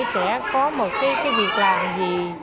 trẻ có một việc làm gì